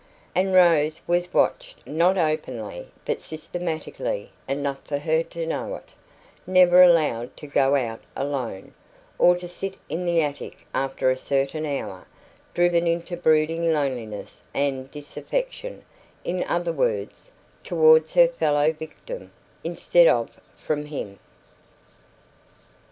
And Rose was watched not openly, but systematically enough for her to know it never allowed to go out alone, or to sit in the attic after a certain hour; driven into brooding loneliness and disaffection in other words, towards her fellow victim instead of from him.